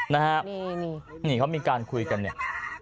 นะฮะนี่นี่เขามีการคุยกันเนี่ย